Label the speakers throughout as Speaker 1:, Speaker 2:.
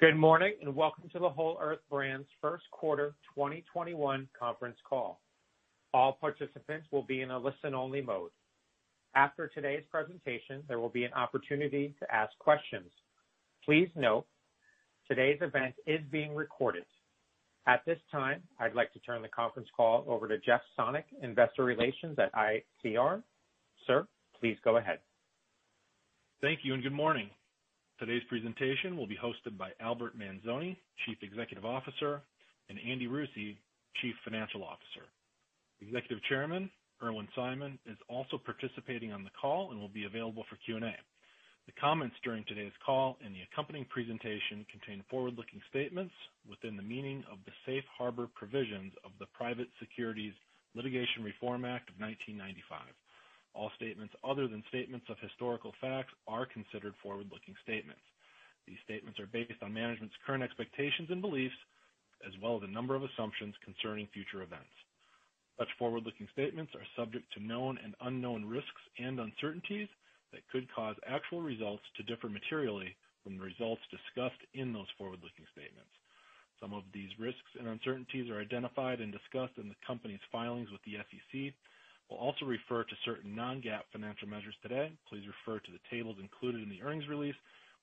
Speaker 1: Good morning, and welcome to the Whole Earth Brands' first quarter 2021 conference call. All participants will be in a listen-only mode. After today's presentation, there will be an opportunity to ask questions. Please note today's event is being recorded. At this time, I'd like to turn the conference call over to Jeff Sonnek, Investor Relations at ICR. Sir, please go ahead.
Speaker 2: Thank you and good morning. Today's presentation will be hosted by Albert Manzone, Chief Executive Officer, and Andy Rusie, Chief Financial Officer. Executive Chairman, Irwin Simon, is also participating on the call and will be available for Q&A. The comments during today's call and the accompanying presentation contain forward-looking statements within the meaning of the Safe Harbor Provisions of the Private Securities Litigation Reform Act of 1995. All statements other than statements of historical facts are considered forward-looking statements. These statements are based on management's current expectations and beliefs, as well as a number of assumptions concerning future events. Such forward-looking statements are subject to known and unknown risks and uncertainties that could cause actual results to differ materially from the results discussed in those forward-looking statements. Some of these risks and uncertainties are identified and discussed in the company's filings with the SEC. We'll also refer to certain non-GAAP financial measures today. Please refer to the tables included in the earnings release,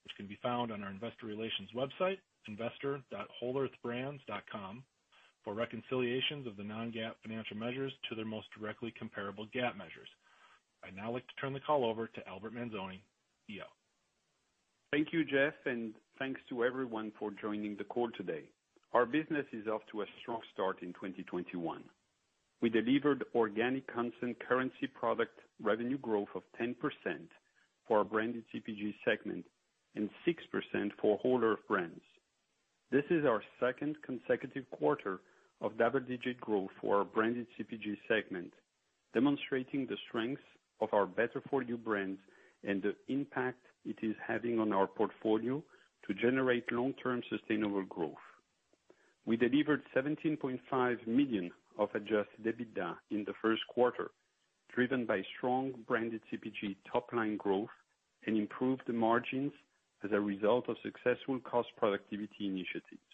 Speaker 2: which can be found on our investor relations website, investor.wholeearthbrands.com, for reconciliations of the non-GAAP financial measures to their most directly comparable GAAP measures. I'd now like to turn the call over to Albert Manzone, CEO.
Speaker 3: Thank you, Jeff, thanks to everyone for joining the call today. Our business is off to a strong start in 2021. We delivered organic constant currency product revenue growth of 10% for our branded CPG segment and 6% for Whole Earth Brands. This is our second consecutive quarter of double-digit growth for our branded CPG segment, demonstrating the strength of our better-for-you brands and the impact it is having on our portfolio to generate long-term sustainable growth. We delivered $17.5 million of adjusted EBITDA in the first quarter, driven by strong branded CPG top-line growth and improved margins as a result of successful cost productivity initiatives.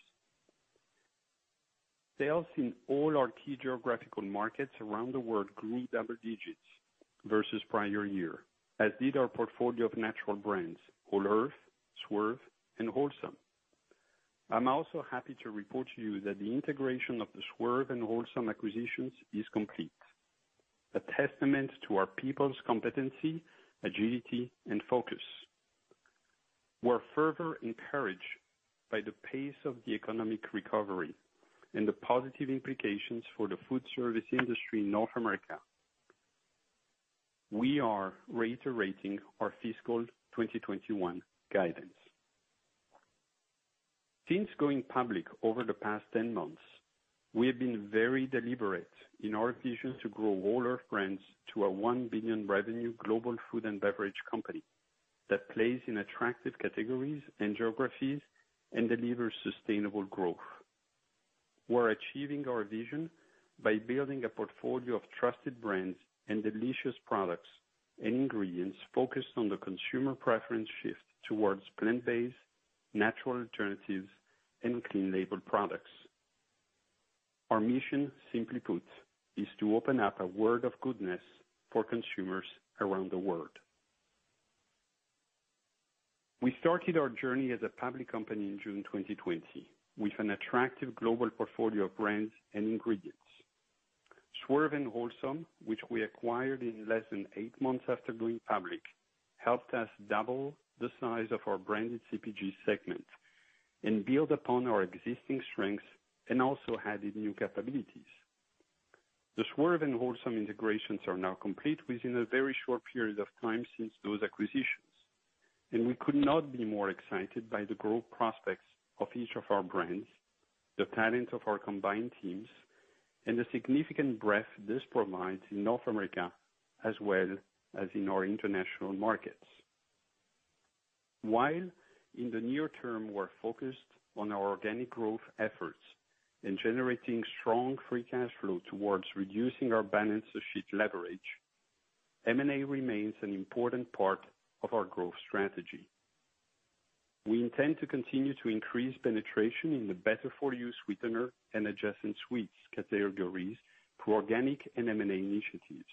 Speaker 3: Sales in all our key geographical markets around the world grew double digits versus the prior year, as did our portfolio of natural brands, Whole Earth, Swerve, and Wholesome. I'm also happy to report to you that the integration of the Swerve and Wholesome acquisitions is complete. A testament to our people's competency, agility, and focus. We're further encouraged by the pace of the economic recovery and the positive implications for the food service industry in North America. We are reiterating our fiscal 2021 guidance. Since going public over the past 10 months, we have been very deliberate in our vision to grow Whole Earth Brands to a $1 billion revenue global food and beverage company that plays in attractive categories and geographies and delivers sustainable growth. We're achieving our vision by building a portfolio of trusted brands and delicious products and ingredients focused on the consumer preference shift towards plant-based, natural alternatives, and clean label products. Our mission, simply put, is to open up a world of goodness for consumers around the world. We started our journey as a public company in June 2020 with an attractive global portfolio of brands and ingredients. Swerve and Wholesome, which we acquired in less than eight months after going public, helped us double the size of our branded CPG segment and build upon our existing strengths, also added new capabilities. The Swerve and Wholesome integrations are now complete within a very short period of time since those acquisitions, we could not be more excited by the growth prospects of each of our brands, the talent of our combined teams, and the significant breadth this provides in North America as well as in our international markets. While in the near term, we're focused on our organic growth efforts and generating strong free cash flow towards reducing our balance sheet leverage, M&A remains an important part of our growth strategy. We intend to continue to increase penetration in the better-for-you sweetener and adjacent sweets categories through organic and M&A initiatives.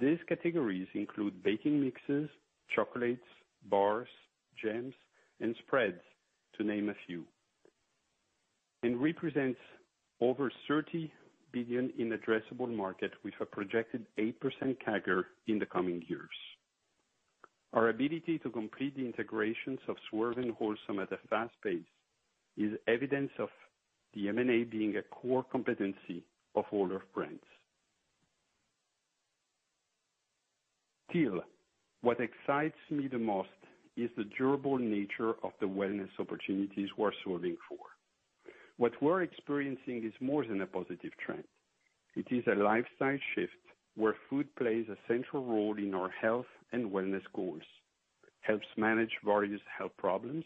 Speaker 3: These categories include baking mixes, chocolates, bars, jams, and spreads to name a few, and represents over $30 billion in addressable market with a projected 8% CAGR in the coming years. Our ability to complete the integrations of Swerve and Wholesome at a fast pace is evidence of the M&A being a core competency of Whole Earth Brands. What excites me the most is the durable nature of the wellness opportunities we're solving for. What we're experiencing is more than a positive trend. It is a lifestyle shift where food plays a central role in our health and wellness goals, helps manage various health problems,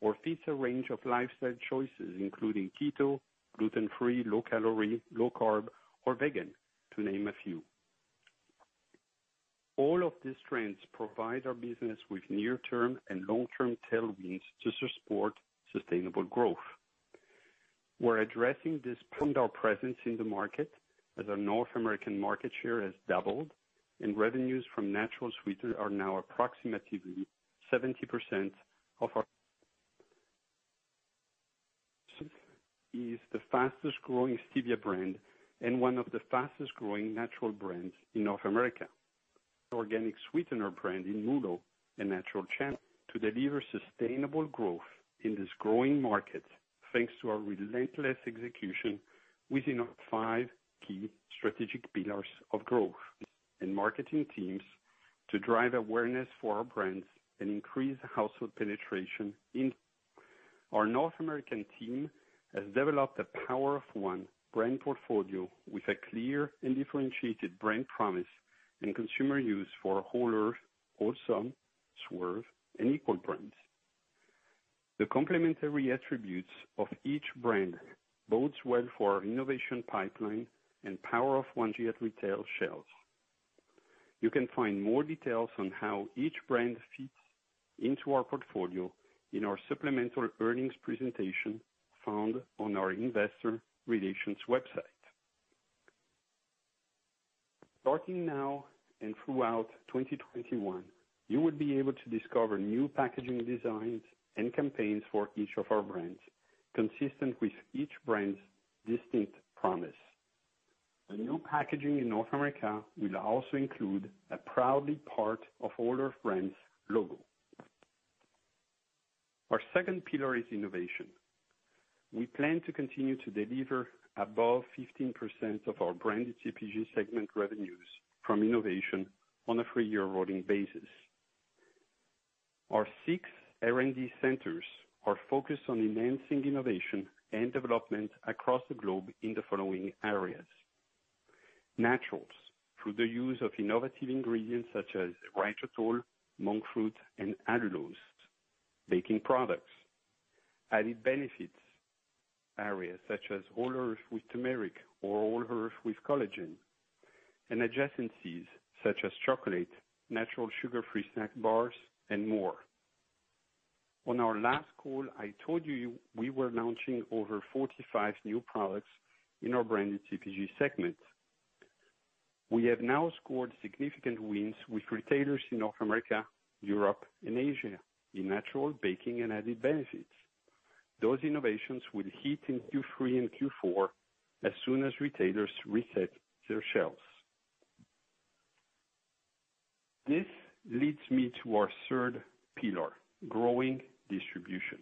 Speaker 3: or fits a range of lifestyle choices, including keto, gluten-free, low calorie, low carb, or vegan, to name a few. All of these trends provide our business with near-term and long-term tailwinds to support sustainable growth. We're addressing this presence in the market as our North American market share has doubled, and revenues from natural sweeteners are now approximately 70% of ours is the fastest-growing stevia brand and one of the fastest-growing natural brands in North America. Organic sweetener brand Wholesome and natural to deliver sustainable growth in this growing market, thanks to our relentless execution within our five key strategic pillars of growth and marketing teams to drive awareness for our brands and increase household penetration. Our North American team has developed a Power of One brand portfolio with a clear and differentiated brand promise and consumer use for Whole Earth, Wholesome, Swerve, and Equal brands. The complementary attributes of each brand bodes well for our innovation pipeline and Power of One retail shelves. You can find more details on how each brand fits into our portfolio in our supplemental earnings presentation found on our investor relations website. Starting now and throughout 2021, you will be able to discover new packaging designs and campaigns for each of our brands, consistent with each brand's distinct promise. The new packaging in North America will also include a proudly part of Whole Earth Brands logo. Our second pillar is innovation. We plan to continue to deliver above 15% of our branded CPG segment revenues from innovation on a three-year rolling basis. Our six R&D centers are focused on enhancing innovation and development across the globe in the following areas. Naturals, through the use of innovative ingredients such as erythritol, monk fruit, and allulose. Baking products. Added benefits areas, such as Whole Earth with turmeric or Whole Earth with collagen, and adjacencies such as chocolate, natural sugar-free snack bars, and more. On our last call, I told you we were launching over 45 new products in our branded CPG segment. We have now scored significant wins with retailers in North America, Europe, and Asia in natural baking and added benefits. Those innovations will hit in Q3 and Q4 as soon as retailers reset their shelves. This leads me to our third pillar, growing distribution.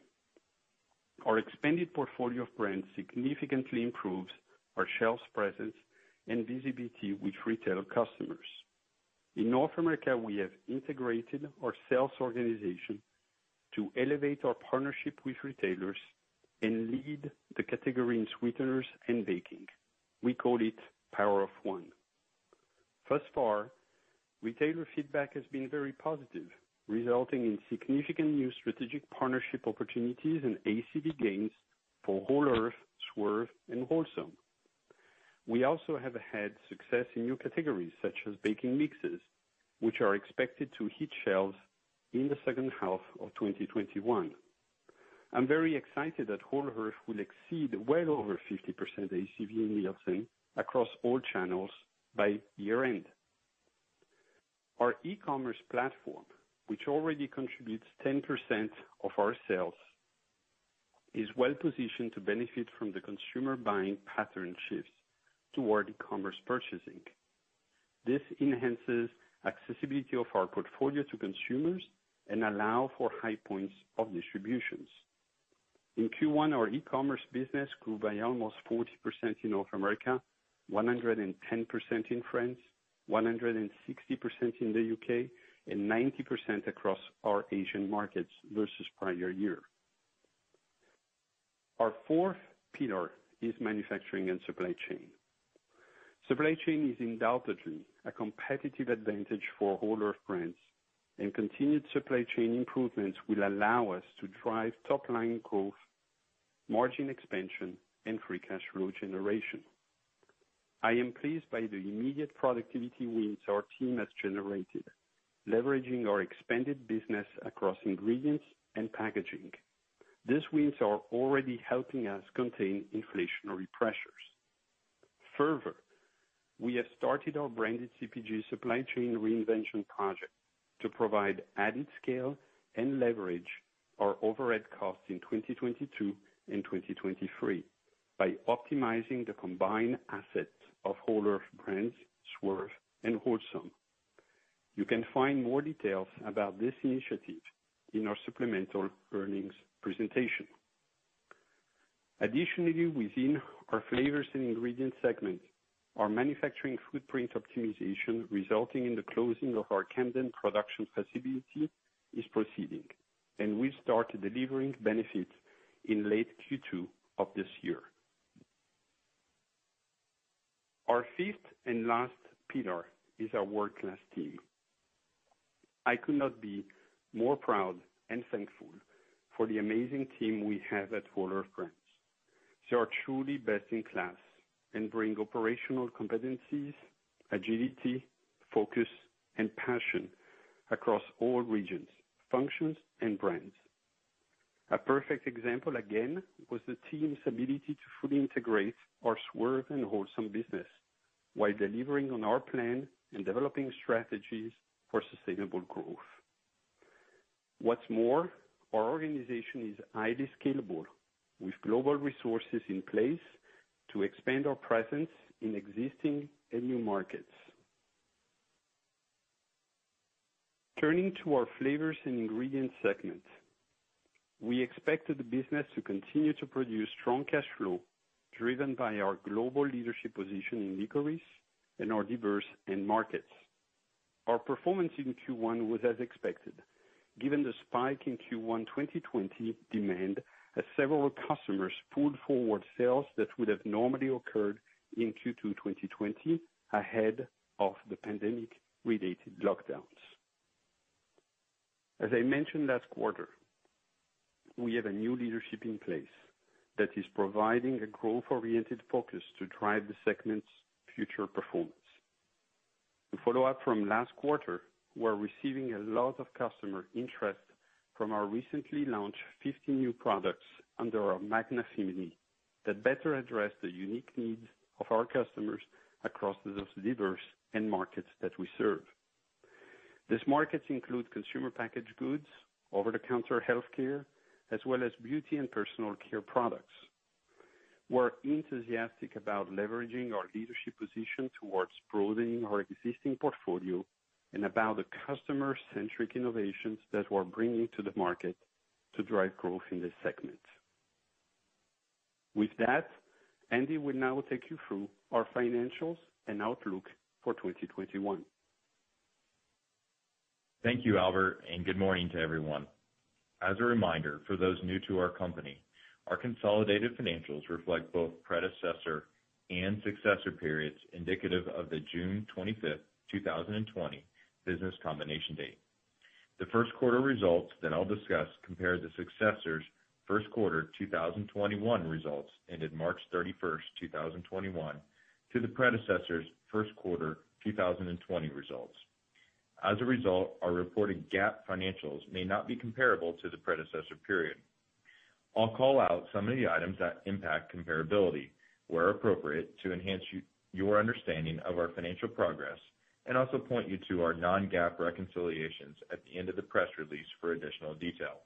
Speaker 3: Our expanded portfolio of brands significantly improves our shelves presence and visibility with retail customers. In North America, we have integrated our sales organization to elevate our partnership with retailers and lead the category in sweeteners and baking. We call it Power of One. Thus far, retailer feedback has been very positive, resulting in significant new strategic partnership opportunities and ACV gains for Whole Earth, Swerve, and Wholesome. We also have had success in new categories such as baking mixes, which are expected to hit shelves in the second half of 2021. I'm very excited that Whole Earth will exceed well over 50% ACV in Nielsen across all channels by year-end. Our e-commerce platform, which already contributes 10% of our sales, is well-positioned to benefit from the consumer buying pattern shifts toward e-commerce purchasing. This enhances accessibility of our portfolio to consumers and allow for high points of distributions. In Q1, our e-commerce business grew by almost 40% in North America, 110% in France, 160% in the U.K., and 90% across our Asian markets versus prior year. Our fourth pillar is manufacturing and supply chain. Continued supply chain improvements will allow us to drive top-line growth, margin expansion, and free cash flow generation. I am pleased by the immediate productivity wins our team has generated, leveraging our expanded business across ingredients and packaging. These wins are already helping us contain inflationary pressures. Further, we have started our branded CPG supply chain reinvention project to provide added scale and leverage our overhead costs in 2022 and 2023 by optimizing the combined assets of Whole Earth Brands, Swerve, and Wholesome. You can find more details about this initiative in our supplemental earnings presentation. Additionally, within our flavors and ingredients segment, our manufacturing footprint optimization resulting in the closing of our Camden production facility is proceeding, and will start delivering benefits in late Q2 of this year. Our fifth and last pillar is our world-class team. I could not be more proud and thankful for the amazing team we have at Whole Earth Brands. They are truly best in class and bring operational competencies, agility, focus, and passion across all regions, functions, and brands. A perfect example, again, was the team's ability to fully integrate our Swerve and Wholesome business while delivering on our plan and developing strategies for sustainable growth. What's more, our organization is highly scalable, with global resources in place to expand our presence in existing and new markets. Turning to our flavors and ingredients segment. We expected the business to continue to produce strong cash flow driven by our global leadership position in licorice and our diverse end markets. Our performance in Q1 was as expected given the spike in Q1 2020 demand as several customers pulled forward sales that would've normally occurred in Q2 2020 ahead of the pandemic-related lockdowns. As I mentioned last quarter, we have a new leadership in place that is providing a growth-oriented focus to drive the segment's future performance. To follow up from last quarter, we're receiving a lot of customer interest from our recently launched 50 new products under our Mafco family that better address the unique needs of our customers across those diverse end markets that we serve. These markets include consumer packaged goods, over-the-counter healthcare, as well as beauty and personal care products. We're enthusiastic about leveraging our leadership position towards broadening our existing portfolio and about the customer-centric innovations that we're bringing to the market to drive growth in this segment. With that, Andy will now take you through our financials and outlook for 2021.
Speaker 4: Thank you, Albert, good morning to everyone. As a reminder for those new to our company, our consolidated financials reflect both predecessor and successor periods indicative of the June 25, 2020 business combination date. The first quarter results that I'll discuss compare the successor's first quarter 2021 results ended March 31, 2021, to the predecessor's first quarter 2020 results. As a result, our reported GAAP financials may not be comparable to the predecessor period. I'll call out some of the items that impact comparability where appropriate to enhance your understanding of our financial progress, and also point you to our non-GAAP reconciliations at the end of the press release for additional detail.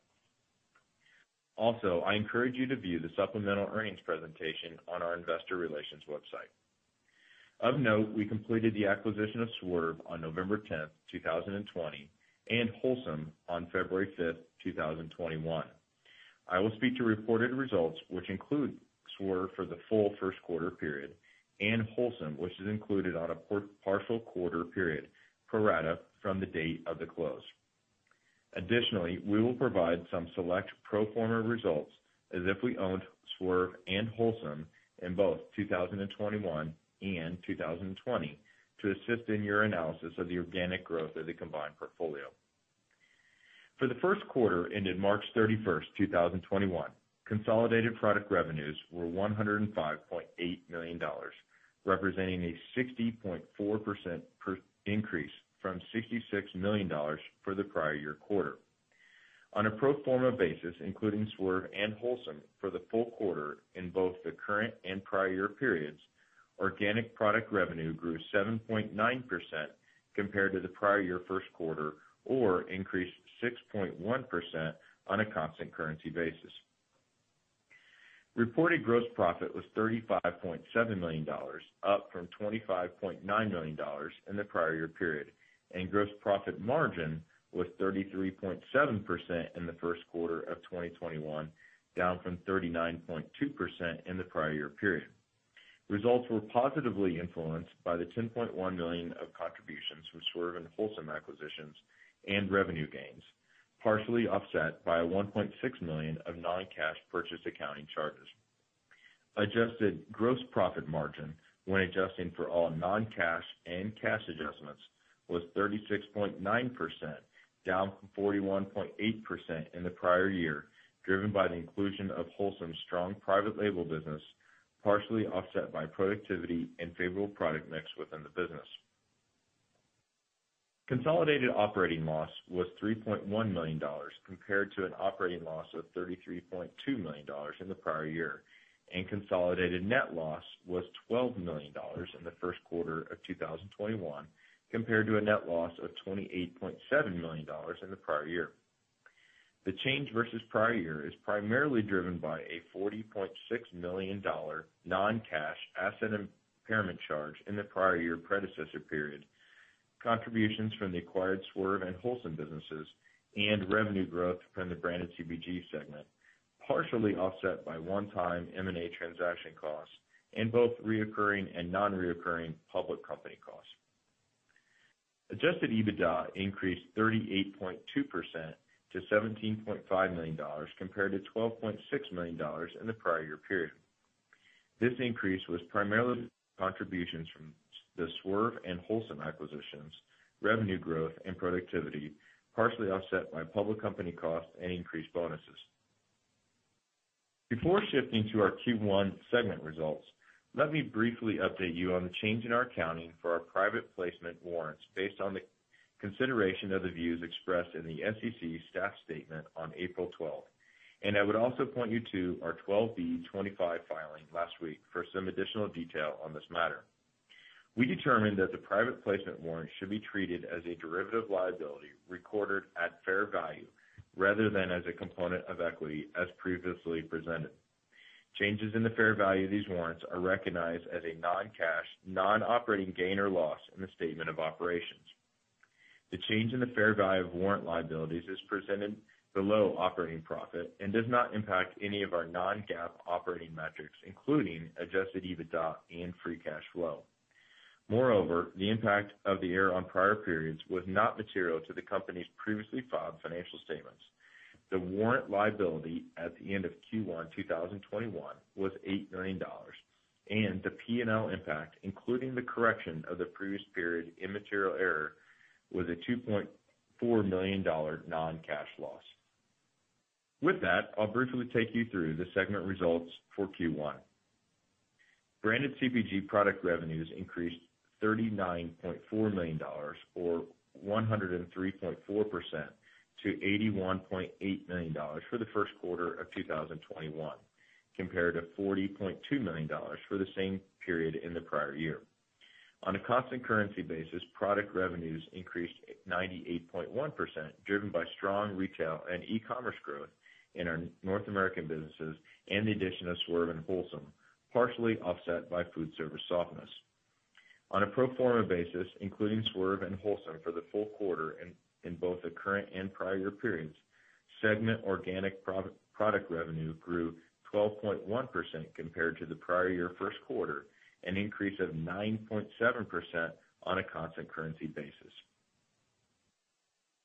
Speaker 4: I encourage you to view the supplemental earnings presentation on our investor relations website. Of note, we completed the acquisition of Swerve on November 10, 2020, and Wholesome on February 5, 2021. I will speak to reported results, which include Swerve for the full first quarter period, and Wholesome, which is included on a partial quarter period, pro rata from the date of the close. Additionally, we will provide some select pro forma results as if we owned Swerve and Wholesome in both 2021 and 2020 to assist in your analysis of the organic growth of the combined portfolio. For the first quarter ended March 31, 2021, consolidated product revenues were $105.8 million, representing a 60.4% increase from $66 million for the prior year quarter. On a pro forma basis, including Swerve and Wholesome for the full quarter in both the current and prior year periods, organic product revenue grew 7.9% compared to the prior year first quarter or increased 6.1% on a constant currency basis. Reported gross profit was $35.7 million, up from $25.9 million in the prior year period, and gross profit margin was 33.7% in the first quarter of 2021, down from 39.2% in the prior year period. Results were positively influenced by the $10.1 million of contributions from Swerve and Wholesome acquisitions and revenue gains, partially offset by a $1.6 million of non-cash purchase accounting charges. Adjusted gross profit margin, when adjusting for all non-cash and cash adjustments, was 36.9%, down from 41.8% in the prior year, driven by the inclusion of Wholesome's strong private label business, partially offset by productivity and favorable product mix within the business. Consolidated operating loss was $3.1 million, compared to an operating loss of $33.2 million in the prior year. Consolidated net loss was $12 million in the first quarter of 2021, compared to a net loss of $28.7 million in the prior year. The change versus prior year is primarily driven by a $40.6 million non-cash asset impairment charge in the prior year predecessor period. Contributions from the acquired Swerve and Wholesome businesses and revenue growth from the branded CPG segment, partially offset by one-time M&A transaction costs in both reoccurring and non-reoccurring public company costs. Adjusted EBITDA increased 38.2% to $17.5 million, compared to $12.6 million in the prior year period. This increase was primarily contributions from the Swerve and Wholesome acquisitions, revenue growth, and productivity, partially offset by public company costs and increased bonuses. Before shifting to our Q1 segment results, let me briefly update you on the change in our accounting for our private placement warrants based on the consideration of the views expressed in the SEC staff statement on April 12th. I would also point you to our 12b-25 filing last week for some additional detail on this matter. We determined that the private placement warrants should be treated as a derivative liability recorded at fair value rather than as a component of equity as previously presented. Changes in the fair value of these warrants are recognized as a non-cash, non-operating gain or loss in the statement of operations. The change in the fair value of warrant liabilities is presented below operating profit and does not impact any of our non-GAAP operating metrics, including adjusted EBITDA and free cash flow. Moreover, the impact of the error on prior periods was not material to the company's previously filed financial statements. The warrant liability at the end of Q1 2021 was $8 million, and the P&L impact, including the correction of the previous period immaterial error, was a $2.4 million non-cash loss. With that, I'll briefly take you through the segment results for Q1. Branded CPG product revenues increased $39.4 million, or 103.4%, to $81.8 million for the first quarter of 2021, compared to $40.2 million for the same period in the prior year. On a constant currency basis, product revenues increased 98.1%, driven by strong retail and e-commerce growth in our North American businesses and the addition of Swerve and Wholesome, partially offset by food service softness. On a pro forma basis, including Swerve and Wholesome for the full quarter in both the current and prior year periods, segment organic product revenue grew 12.1% compared to the prior year first quarter, an increase of 9.7% on a constant currency basis.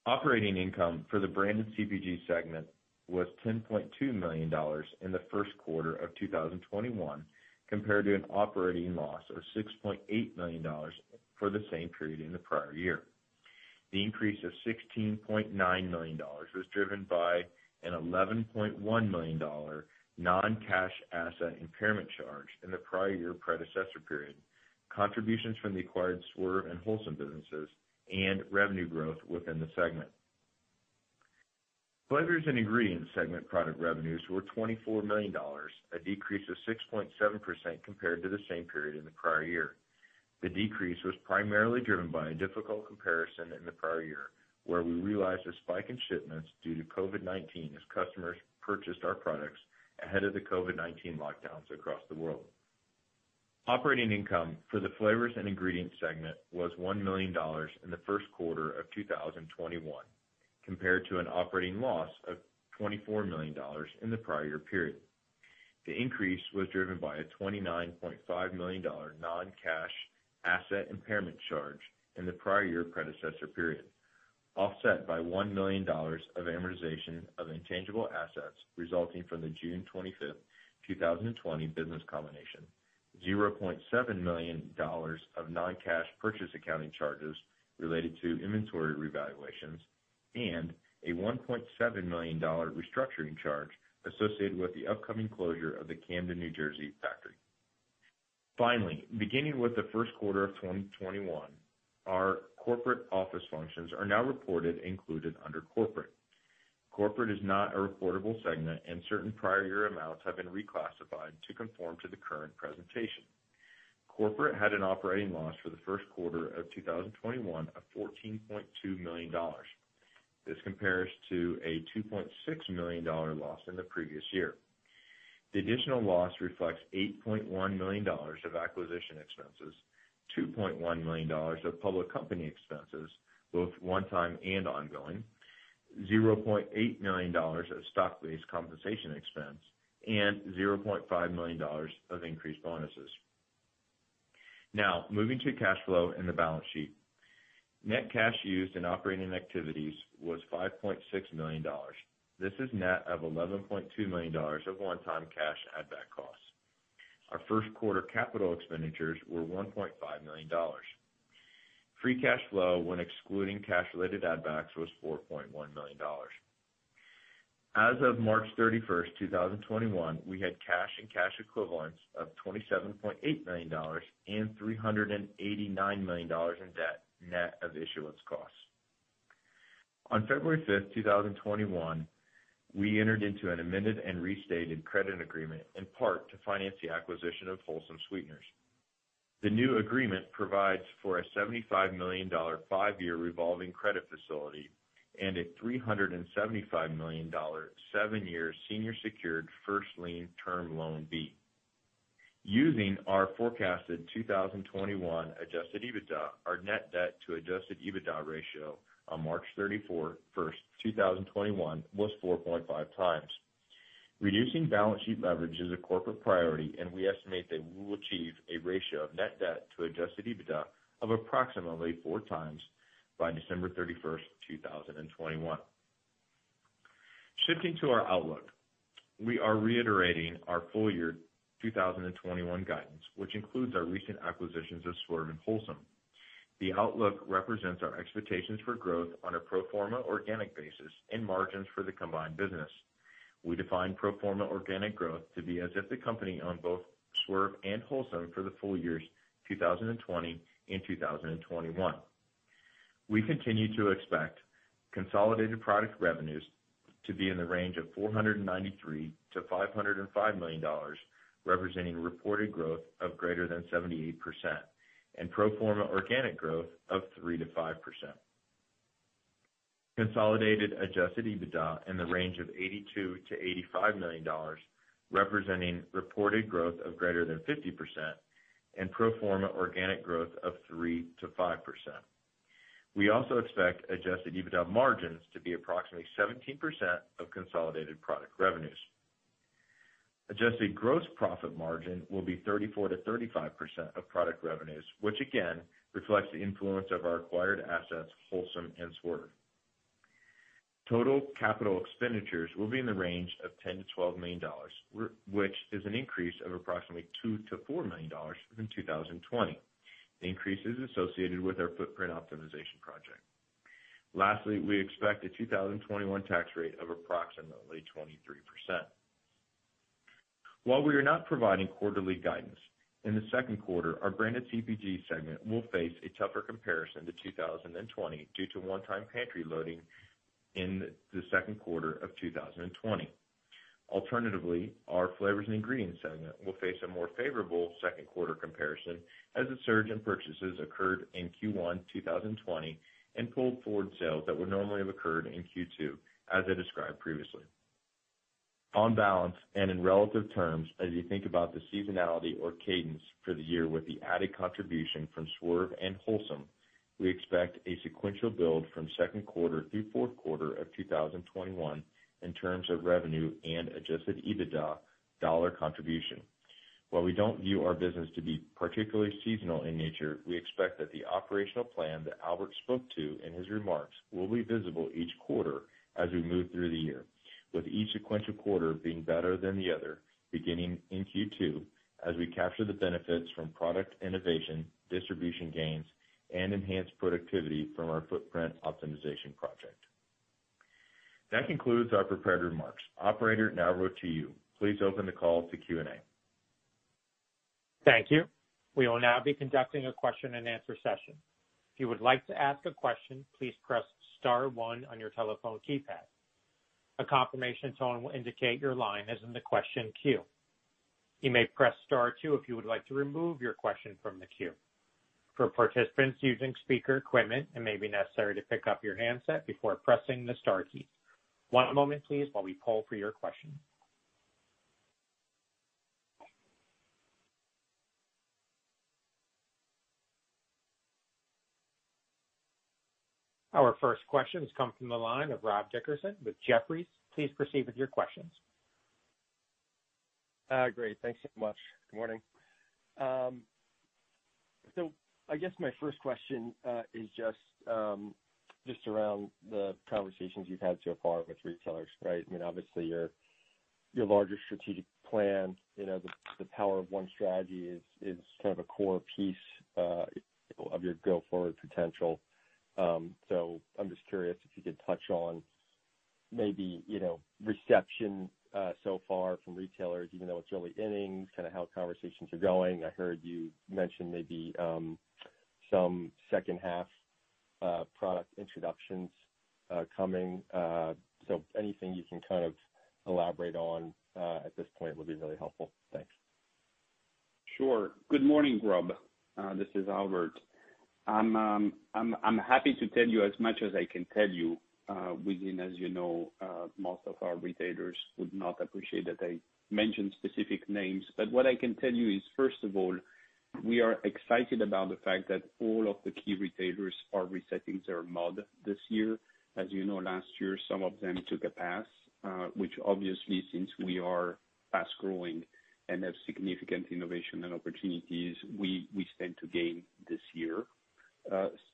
Speaker 4: Operating income for the branded CPG segment was $10.2 million in the first quarter of 2021, compared to an operating loss of $6.8 million for the same period in the prior year. The increase of $16.9 million was driven by an $11.1 million non-cash asset impairment charge in the prior year predecessor period, contributions from the acquired Swerve and Wholesome businesses, and revenue growth within the segment. Flavors and Ingredients segment product revenues were $24 million, a decrease of 6.7% compared to the same period in the prior year. The decrease was primarily driven by a difficult comparison in the prior year, where we realized a spike in shipments due to COVID-19 as customers purchased our products ahead of the COVID-19 lockdowns across the world. Operating income for the Flavors and Ingredients segment was $1 million in the first quarter of 2021, compared to an operating loss of $24 million in the prior year period. The increase was driven by a $29.5 million non-cash asset impairment charge in the prior year predecessor period, offset by $1 million of amortization of intangible assets resulting from the June 25th, 2020 business combination, $0.7 million of non-cash purchase accounting charges related to inventory revaluations, and a $1.7 million restructuring charge associated with the upcoming closure of the Camden, New Jersey factory. Finally, beginning with the first quarter of 2021, our corporate office functions are now reported included under Corporate. Corporate is not a reportable segment, and certain prior year amounts have been reclassified to conform to the current presentation. Corporate had an operating loss for the first quarter of 2021 of $14.2 million. This compares to a $2.6 million loss in the previous year. The additional loss reflects $8.1 million of acquisition expenses, $2.1 million of public company expenses, both one-time and ongoing, $0.8 million of stock-based compensation expense, and $0.5 million of increased bonuses. Moving to cash flow and the balance sheet. Net cash used in operating activities was $5.6 million. This is net of $11.2 million of one-time cash add-back costs. Our first quarter capital expenditures were $1.5 million. Free cash flow when excluding cash-related add-backs was $4.1 million. As of March 31st, 2021, we had cash and cash equivalents of $27.8 million and $389 million in debt, net of issuance costs. On February 5th, 2021, we entered into an amended and restated credit agreement, in part to finance the acquisition of Wholesome Sweeteners. The new agreement provides for a $75 million five-year revolving credit facility and a $375 million seven-year senior secured first lien term loan B. Using our forecasted 2021 adjusted EBITDA, our net debt to adjusted EBITDA ratio on March 31st, 2021 was 4.5x. Reducing balance sheet leverage is a corporate priority. We estimate that we will achieve a ratio of net debt to adjusted EBITDA of approximately four times by December 31st, 2021. Shifting to our outlook, we are reiterating our full year 2021 guidance, which includes our recent acquisitions of Swerve and Wholesome. The outlook represents our expectations for growth on a pro forma organic basis and margins for the combined business. We define pro forma organic growth to be as if the company owned both Swerve and Wholesome for the full years 2020 and 2021. We continue to expect consolidated product revenues to be in the range of $493 million-$505 million, representing reported growth of greater than 78%, and pro forma organic growth of 3%-5%. Consolidated adjusted EBITDA in the range of $82 million-$85 million, representing reported growth of greater than 50% and pro forma organic growth of 3%-5%. We also expect adjusted EBITDA margins to be approximately 17% of consolidated product revenues. Adjusted gross profit margin will be 34%-35% of product revenues, which again reflects the influence of our acquired assets, Wholesome and Swerve. Total capital expenditures will be in the range of $10 million-$12 million, which is an increase of approximately $2 million-$4 million from 2020. Lastly, we expect a 2021 tax rate of approximately 23%. While we are not providing quarterly guidance, in the second quarter, our branded CPG segment will face a tougher comparison to 2020 due to one-time pantry loading in the second quarter of 2020. Alternatively, our flavors and ingredients segment will face a more favorable second quarter comparison as the surge in purchases occurred in Q1 2020 and pulled forward sales that would normally have occurred in Q2, as I described previously. On balance and in relative terms, as you think about the seasonality or cadence for the year with the added contribution from Swerve and Wholesome, we expect a sequential build from second quarter through fourth quarter of 2021 in terms of revenue and adjusted EBITDA dollar contribution. While we don't view our business to be particularly seasonal in nature, we expect that the operational plan that Albert spoke to in his remarks will be visible each quarter as we move through the year, with each sequential quarter being better than the other, beginning in Q2, as we capture the benefits from product innovation, distribution gains, and enhanced productivity from our footprint optimization project. That concludes our prepared remarks. Operator, now over to you. Please open the call to Q&A.
Speaker 1: Thank you. We will now be conducting a question and answer session. If you would like to ask a question, please press star one on your telephone keypad. A confirmation tone will indicate your line is in the question queue. You may press star two if you would like to remove your question from the queue. For participants using speaker equipment, it may be necessary to pick up your handset before pressing the star key. One moment, please, while we pull for your question. Our first question comes from the line of Rob Dickerson with Jefferies. Please proceed with your questions.
Speaker 5: Great. Thanks so much. Good morning. I guess my first question is just around the conversations you have had so far with retailers, right? I mean, obviously your larger strategic plan, the Power of One strategy is kind of a core piece of your go-forward potential. I am just curious if you could touch on maybe reception so far from retailers, even though it is early innings, kind of how conversations are going. I heard you mention maybe some second half product introductions coming. Anything you can kind of elaborate on at this point would be really helpful. Thanks.
Speaker 3: Sure. Good morning, Rob. This is Albert. I'm happy to tell you as much as I can tell you within, as you know, most of our retailers would not appreciate that I mention specific names. What I can tell you is, first of all, we are excited about the fact that all of the key retailers are resetting their mod this year. As you know, last year, some of them took a pass, which obviously since we are fast-growing and have significant innovation and opportunities, we stand to gain this year.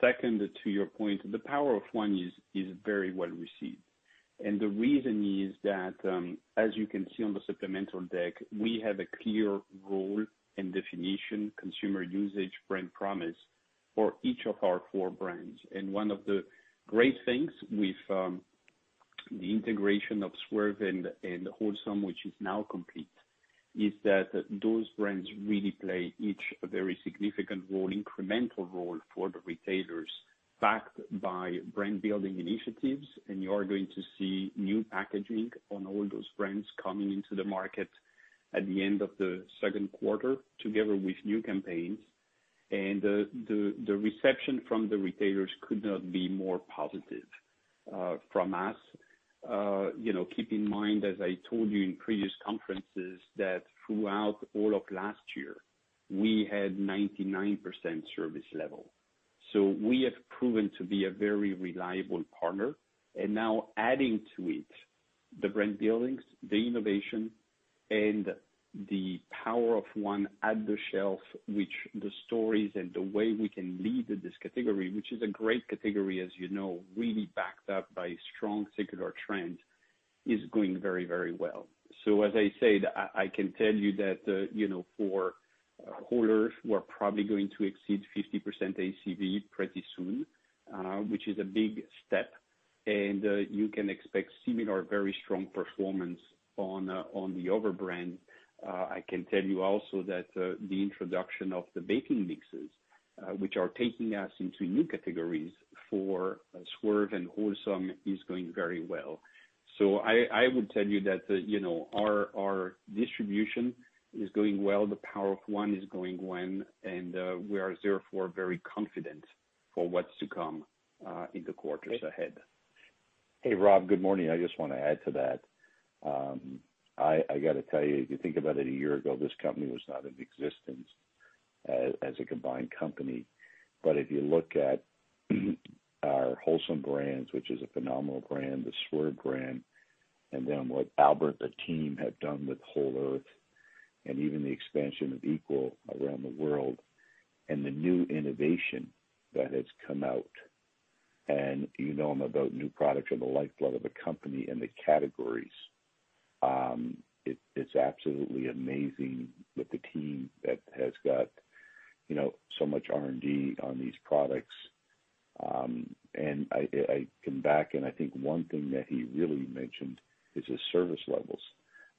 Speaker 3: Second, to your point, the Power of One is very well received. The reason is that, as you can see on the supplemental deck, we have a clear role and definition, consumer usage, brand promise for each of our four brands.
Speaker 4: One of the great things with the integration of Swerve and Wholesome, which is now complete, is that those brands really play each a very significant role, incremental role for the retailers, backed by brand building initiatives. You are going to see new packaging on all those brands coming into the market at the end of the second quarter, together with new campaigns. The reception from the retailers could not be more positive from us. Keep in mind, as I told you in previous conferences, that throughout all of last year, we had 99% service level. We have proven to be a very reliable partner. Now adding to it the brand buildings, the innovation.
Speaker 3: The Power of One at the shelf, which the stories and the way we can lead this category, which is a great category as you know, really backed up by strong secular trends, is going very well. As I said, I can tell you that for Whole Earth, we're probably going to exceed 50% ACV pretty soon, which is a big step. You can expect similar, very strong performance on the other brands. I can tell you also that the introduction of the baking mixes, which are taking us into new categories for Swerve and Wholesome, is going very well. I would tell you that our distribution is going well. The Power of One is going well, and we are therefore very confident for what's to come in the quarters ahead.
Speaker 6: Hey, Rob, good morning. I just want to add to that. I got to tell you, if you think about it, a year ago, this company was not in existence as a combined company. If you look at our Wholesome brands, which is a phenomenal brand, the Swerve brand, and then what Albert Manzone, the team, have done with Whole Earth and even the expansion of Equal around the world and the new innovation that has come out. You know I'm about new products are the lifeblood of the company and the categories. It's absolutely amazing what the team that has got so much R&D on these products. I come back, and I think one thing that he really mentioned is his service levels.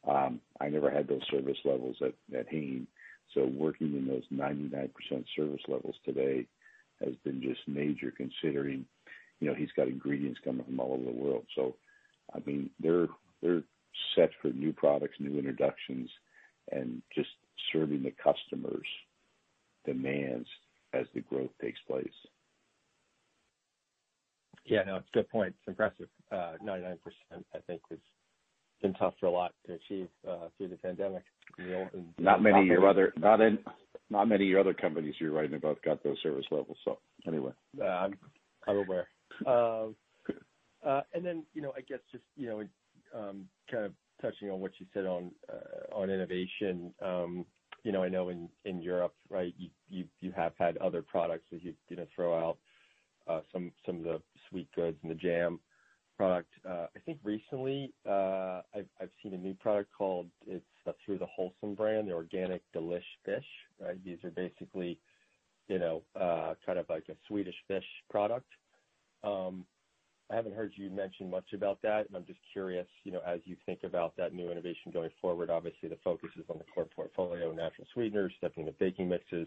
Speaker 6: I never had those service levels at Hain. Working in those 99% service levels today has been just major considering he's got ingredients coming from all over the world. They're set for new products, new introductions, and just serving the customers' demands as the growth takes place.
Speaker 5: Yeah, no, it's a good point. It's impressive. 99%, I think, has been tough for a lot to achieve through the pandemic.
Speaker 6: Not many other companies you're right about got those service levels. anyway.
Speaker 5: I'm aware.
Speaker 6: Good.
Speaker 5: I guess just touching on what you said on innovation. I know in Europe, right, you have had other products that you throw out, some of the sweet goods and the jam product. I think recently, I've seen a new product called, it's through the Wholesome brand, the Organic DelishFish, right? These are basically like a Swedish Fish product. I haven't heard you mention much about that, and I'm just curious as you think about that new innovation going forward, obviously the focus is on the core portfolio, natural sweeteners, stepping into baking mixes.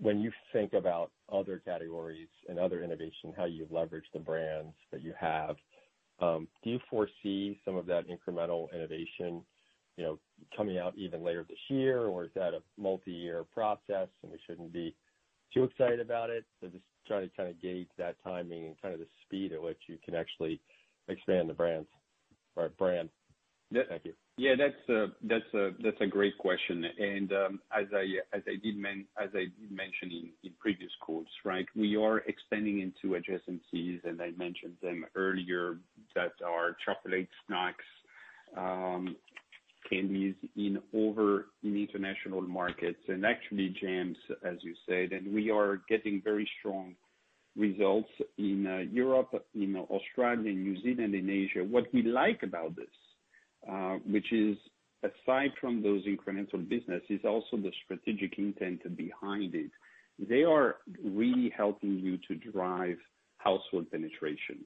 Speaker 5: When you think about other categories and other innovation, how you leverage the brands that you have, do you foresee some of that incremental innovation coming out even later this year, or is that a multi-year process, and we shouldn't be too excited about it? Just trying to gauge that timing and the speed at which you can actually expand the brands or brand. Thank you.
Speaker 3: Yeah, that's a great question. As I did mention in previous calls, we are expanding into adjacencies, and I mentioned them earlier, that are chocolate snacks, candies in over in international markets, and actually jams, as you said. We are getting very strong results in Europe, in Australia, in New Zealand, in Asia. What we like about this, which is aside from those incremental business, is also the strategic intent behind it. They are really helping you to drive household penetration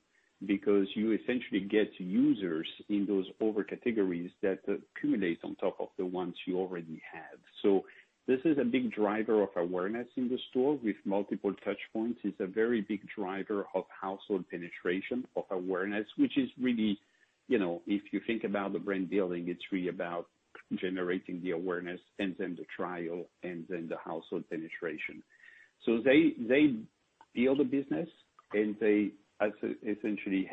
Speaker 3: because you essentially get users in those over categories that accumulate on top of the ones you already have. This is a big driver of awareness in the store with multiple touch points. It's a very big driver of household penetration, of awareness, which is really, if you think about the brand building, it's really about generating the awareness and then the trial, and then the household penetration. They build a business, and they essentially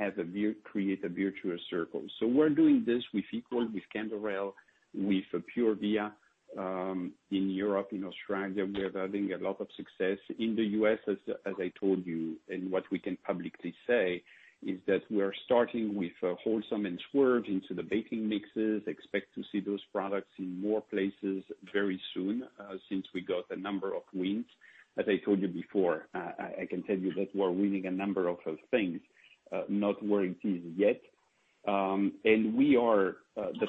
Speaker 3: create a virtuous circle. We're doing this with Equal, with Canderel, with Pure Via in Europe, in Australia. We're having a lot of success in the U.S., as I told you. What we can publicly say is that we're starting with Wholesome and Swerve into the baking mixes. Expect to see those products in more places very soon, since we got a number of wins. As I told you before, I can tell you that we're winning a number of things, not where it is yet. The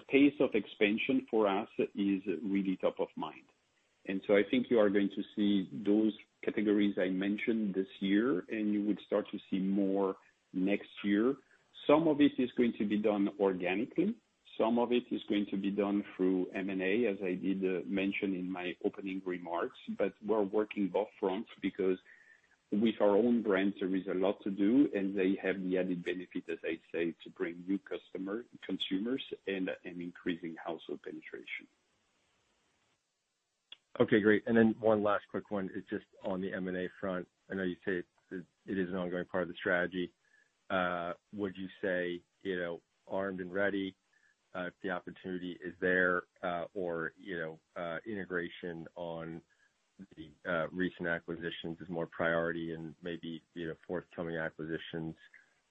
Speaker 3: pace of expansion for us is really top of mind. I think you are going to see those categories I mentioned this year, and you would start to see more next year. Some of it is going to be done organically. Some of it is going to be done through M&A, as I did mention in my opening remarks. We're working both fronts because with our own brands, there is a lot to do, and they have the added benefit, as I say, to bring new consumers and increasing household penetration.
Speaker 5: Okay, great. One last quick one is just on the M&A front. I know you say it is an ongoing part of the strategy. Would you say armed and ready, if the opportunity is there, or integration on the recent acquisitions is more priority and maybe forthcoming acquisitions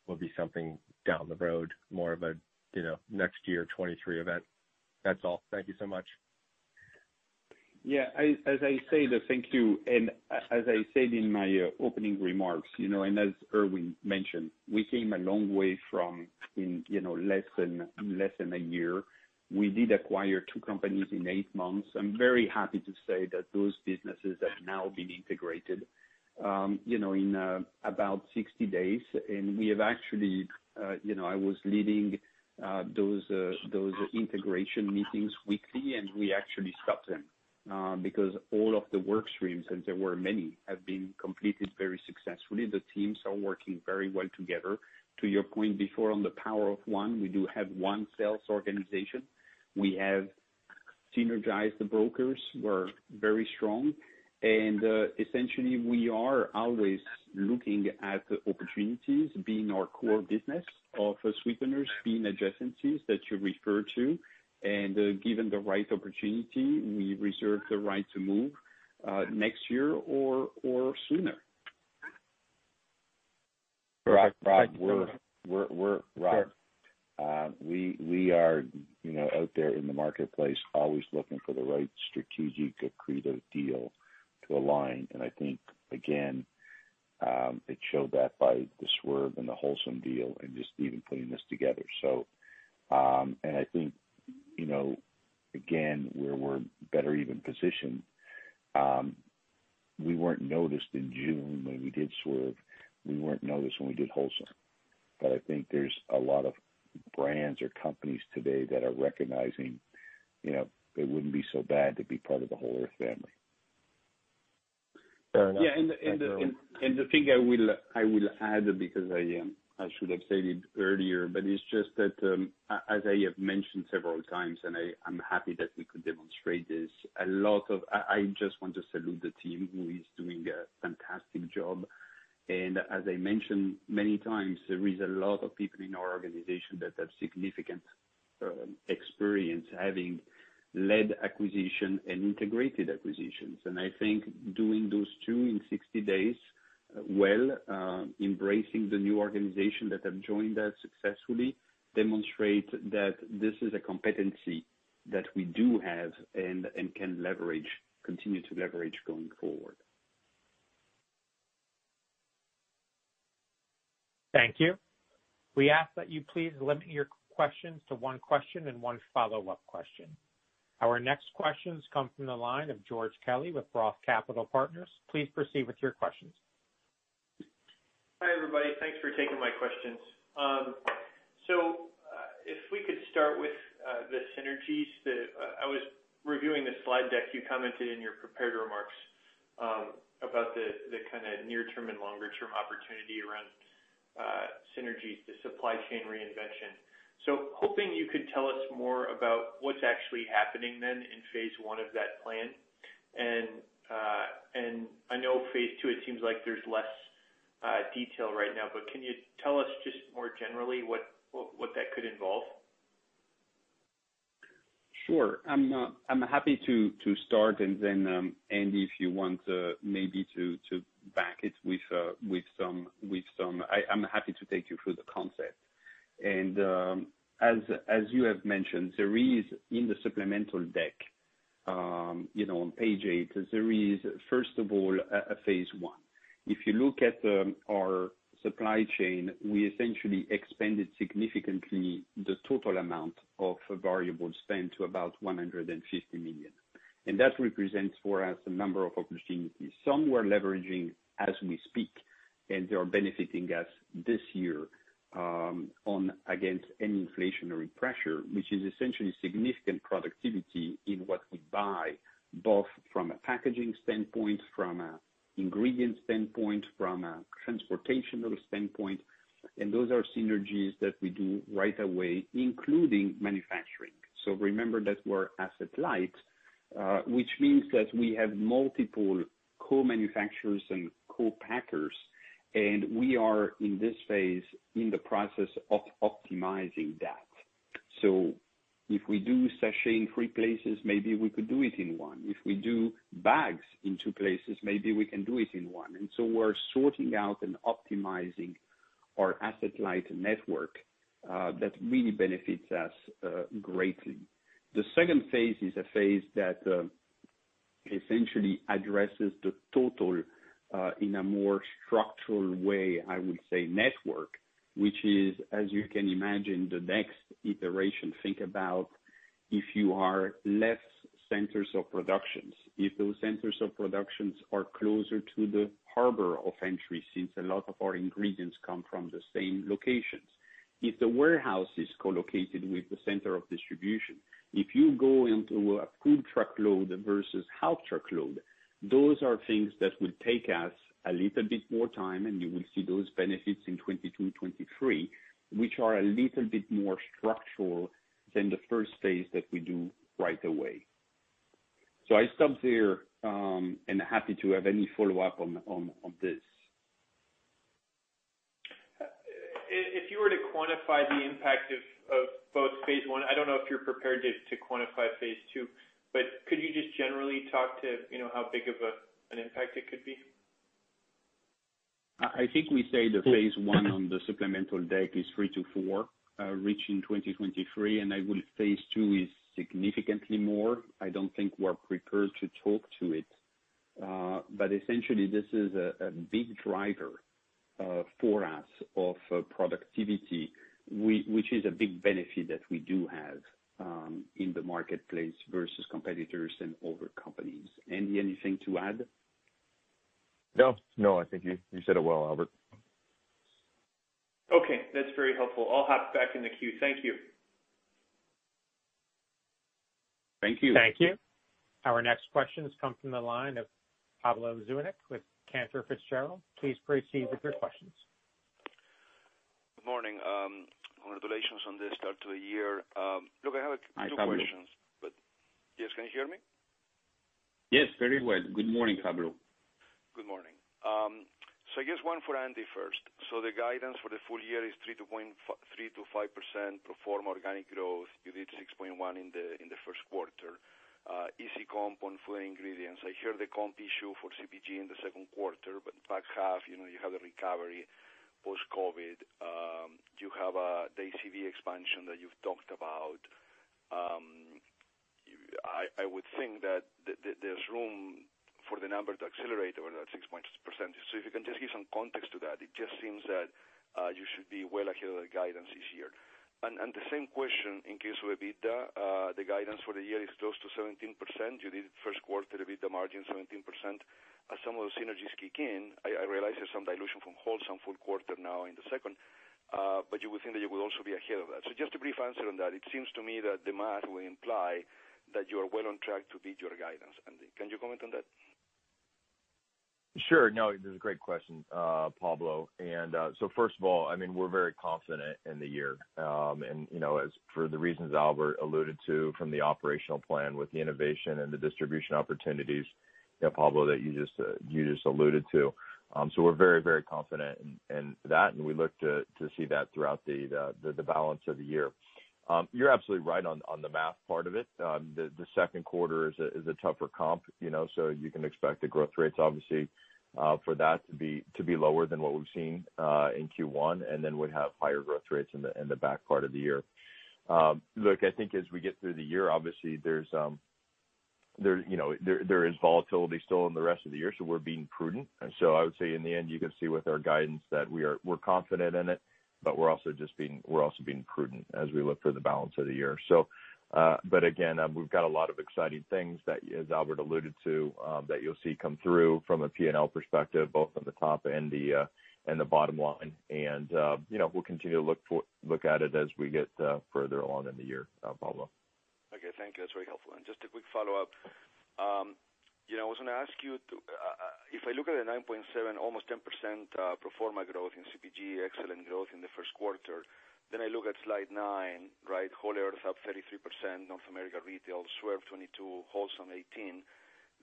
Speaker 5: will be something down the road, more of a next year 2023 event. That's all. Thank you so much.
Speaker 3: Yeah. Thank you. As I said in my opening remarks, and as Irwin mentioned, we came a long way from less than a year. We did acquire two companies in eight months. I'm very happy to say that those businesses have now been integrated in about 60 days. I was leading those integration meetings weekly, and we actually stopped them because all of the work streams, and there were many, have been completed very successfully. The teams are working very well together. To your point before on the Power of One, we do have one sales organization. We have synergized the brokers. We're very strong. Essentially, we are always looking at opportunities being our core business of sweeteners, being adjacencies that you refer to. Given the right opportunity, we reserve the right to move next year or sooner.
Speaker 6: Rob. We are out there in the marketplace, always looking for the right strategic accretive deal to align. I think, again, it showed that by the Swerve and the Wholesome deal and just even putting this together. I think, again, we're better even positioned. We weren't noticed in June when we did Swerve. We weren't noticed when we did Wholesome, but I think there's a lot of brands or companies today that are recognizing it wouldn't be so bad to be part of the Whole Earth family.
Speaker 3: Yeah. The thing I will add, because I should have said it earlier, but it's just that, as I have mentioned several times, and I'm happy that we could demonstrate this, I just want to salute the team who is doing a fantastic job. As I mentioned many times, there is a lot of people in our organization that have significant experience having led acquisition and integrated acquisitions. I think doing those two in 60 days well, embracing the new organization that have joined us successfully, demonstrate that this is a competency that we do have and can continue to leverage going forward.
Speaker 1: Thank you. We ask that you please limit your questions to one question and one follow-up question. Our next questions come from the line of George Kelly with ROTH Capital Partners. Please proceed with your questions.
Speaker 7: Hi, everybody. Thanks for taking my questions. If we could start with the synergies. I was reviewing the slide deck. You commented in your prepared remarks about the kind of near term and longer term opportunity around synergies to supply chain reinvention. Hoping you could tell us more about what's actually happening then in phase one of that plan. I know phase two, it seems like there's less detail right now, but can you tell us just more generally what that could involve?
Speaker 3: Sure. I'm happy to start and then, Andy, if you want maybe to back it with some I'm happy to take you through the concept. As you have mentioned, there is in the supplemental deck, on page eight, there is, first of all, a phase one. If you look at our supply chain, we essentially expanded significantly the total amount of variable spend to about $150 million. That represents for us a number of opportunities. Some we're leveraging as we speak, and they are benefiting us this year, against any inflationary pressure, which is essentially significant productivity in what we buy, both from a packaging standpoint, from an ingredient standpoint, from a transportational standpoint. Those are synergies that we do right away, including manufacturing. Remember that we're asset light, which means that we have multiple co-manufacturers and co-packers, and we are in this phase in the process of optimizing that. If we do sachet in three places, maybe we could do it in one. If we do bags in two places, maybe we can do it in one. We're sorting out and optimizing our asset-light network, that really benefits us greatly. The second phase is a phase that essentially addresses the total, in a more structural way, I would say, network, which is, as you can imagine, the next iteration. Think about if you are less centers of productions, if those centers of productions are closer to the harbor of entry, since a lot of our ingredients come from the same locations. If the warehouse is co-located with the center of distribution, if you go into a food truckload versus health truckload, those are things that will take us a little bit more time, and you will see those benefits in 2022, 2023, which are a little bit more structural than the first phase that we do right away. I stop there, and happy to have any follow-up on this.
Speaker 7: If you were to quantify the impact of both phase one, I don't know if you're prepared to quantify phase two, but could you just generally talk to how big of an impact it could be?
Speaker 3: I think we say the phase one on the supplemental deck is three to four, reaching 2023, and while phase two is significantly more. I don't think we're prepared to talk to it. Essentially, this is a big driver for us of productivity, which is a big benefit that we do have in the marketplace versus competitors and other companies. Andy, anything to add?
Speaker 4: No. I think you said it well, Albert.
Speaker 7: Okay. That's very helpful. I'll hop back in the queue. Thank you. Thank you.
Speaker 1: Thank you. Our next questions come from the line of Pablo Zuanic with Cantor Fitzgerald. Please proceed with your questions.
Speaker 8: Good morning. Congratulations on the start to the year. Look, I have-
Speaker 3: Hi, Pablo
Speaker 8: Two questions. Yes, can you hear me?
Speaker 3: Yes, very well. Good morning, Pablo.
Speaker 8: Good morning. I guess one for Andy first. The guidance for the full year is 3%-5% pro forma organic growth. You did 6.1% in the first quarter. Easy comp on food ingredients. I hear the comp issue for CPG in the second quarter, but back half, you have the recovery post-COVID. You have the ACV expansion that you've talked about. I would think that there's room for the number to accelerate over that 6%. If you can just give some context to that. It just seems that you should be well ahead of the guidance this year. The same question in case of EBITDA. The guidance for the year is close to 17%. You did first quarter EBITDA margin 17%. As some of those synergies kick in, I realize there's some dilution from Wholesome full quarter now in the second, but you would think that you will also be ahead of that. Just a brief answer on that. It seems to me that the math will imply that you are well on track to beat your guidance, Andy. Can you comment on that?
Speaker 4: Sure. No, this is a great question, Pablo. First of all, we're very confident in the year. As for the reasons Albert alluded to from the operational plan with the innovation and the distribution opportunities, Pablo, that you just alluded to. We're very confident in that, and we look to see that throughout the balance of the year. You're absolutely right on the math part of it. The second quarter is a tougher comp, so you can expect the growth rates, obviously, for that to be lower than what we've seen in Q1, and then we have higher growth rates in the back part of the year. Look, I think as we get through the year, obviously there is volatility still in the rest of the year, so we're being prudent. I would say in the end, you can see with our guidance that we're confident in it, but we're also being prudent as we look for the balance of the year. Again, we've got a lot of exciting things that, as Albert alluded to, that you'll see come through from a P&L perspective, both on the top and the bottom line. We'll continue to look at it as we get further along in the year, Pablo.
Speaker 8: Okay, thank you. That's very helpful. Just a quick follow-up. I was going to ask you, if I look at the 9.7%, almost 10%, pro forma growth in CPG, excellent growth in the first quarter, then I look at slide nine, Whole Earth up 33%, North America Retail Swerve 22, Wholesome 18.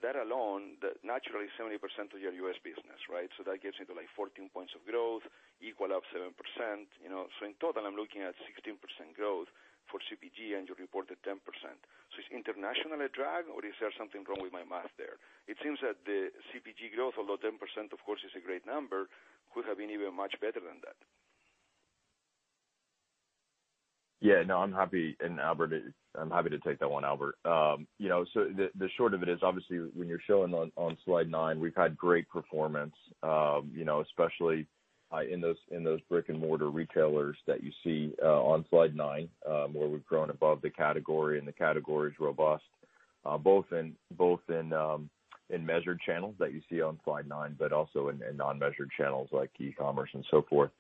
Speaker 8: That alone, naturally, 70% of your U.S. business. That gets me to like 14 points of growth, Equal up 7%. In total, I'm looking at 16% growth for CPG, and you reported 10%. Is international a drag or is there something wrong with my math there? It seems that the CPG growth, although 10%, of course, is a great number, could have been even much better than that.
Speaker 4: Yeah. No, I'm happy to take that one, Albert. The short of it is, obviously, when you're showing on slide nine, we've had great performance, especially in those brick-and-mortar retailers that you see on slide nine, where we've grown above the category, and the category is robust, both in measured channels that you see on slide nine, but also in non-measured channels like e-commerce and so forth.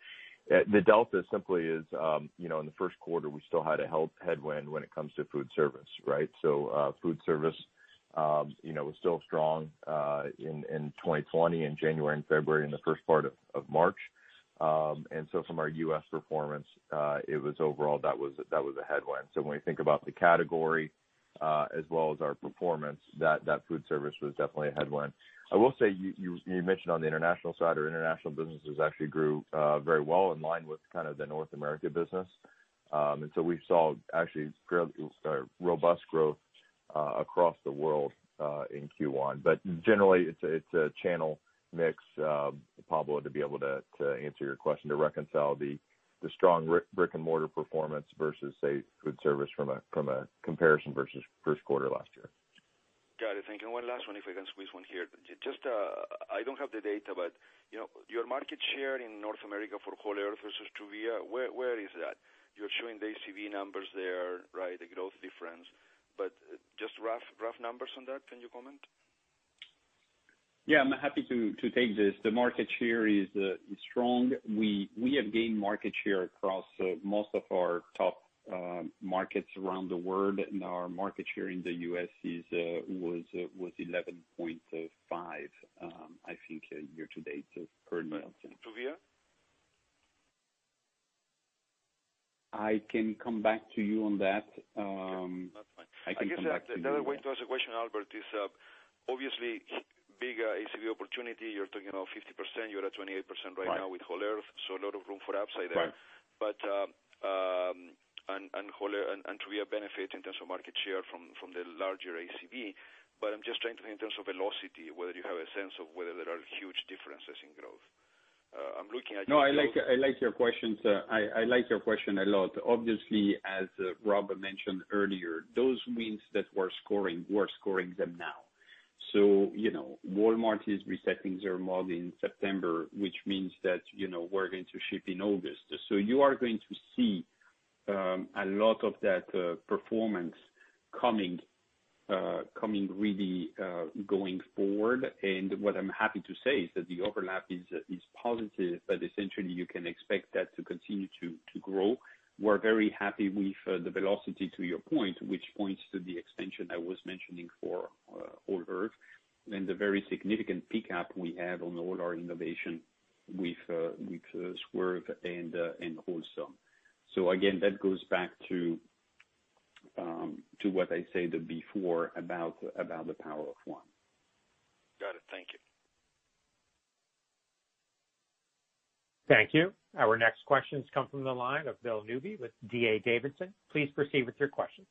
Speaker 4: The delta simply is, in the first quarter, we still had a headwind when it comes to food service. Food service was still strong in 2020, in January and February, in the first part of March. From our U.S. performance, overall that was a headwind. When we think about the category as well as our performance, that food service was definitely a headwind. I will say, you mentioned on the international side, our international businesses actually grew very well in line with kind of the North America business. We saw actually robust growth across the world in Q1. Generally, it's a channel mix, Pablo, to be able to answer your question, to reconcile the strong brick-and-mortar performance versus, say, food service from a comparison versus first quarter last year.
Speaker 8: Got it. Thank you. One last one, if I can squeeze one here. I don't have the data, but your market share in North America for Whole Earth versus Truvia, where is that? You're showing the ACV numbers there, the growth difference. just rough numbers on that, can you comment?
Speaker 3: Yeah, I'm happy to take this. The market share is strong. We have gained market share across most of our top markets around the world, and our market share in the U.S. was 11.5%, I think, year to date as per now.
Speaker 8: Truvia?
Speaker 3: I can come back to you on that.
Speaker 8: Okay. That's fine.
Speaker 3: I can come back to you on that.
Speaker 8: I guess another way to ask the question, Albert, is obviously bigger ACV opportunity. You're talking about 50%. You're at 28% right now with Whole Earth, so a lot of room for upside there-
Speaker 3: Right.
Speaker 8: to be a benefit in terms of market share from the larger ACV, but I'm just trying to think in terms of velocity, whether you have a sense of whether there are huge differences in growth. I'm looking at-
Speaker 3: No, I like your question a lot. Obviously, as Rob mentioned earlier, those wins that we're scoring, we're scoring them now. Walmart is resetting their model in September, which means that we're going to ship in August. You are going to see a lot of that performance coming really going forward. What I'm happy to say is that the overlap is positive, but essentially, you can expect that to continue to grow. We're very happy with the velocity to your point, which points to the expansion I was mentioning for Whole Earth, and the very significant pickup we have on all our innovation with Swerve and Wholesome. Again, that goes back to what I said before about the Power of One.
Speaker 8: Got it. Thank you.
Speaker 1: Thank you. Our next questions come from the line of Bill Newby with D.A. Davidson. Please proceed with your questions.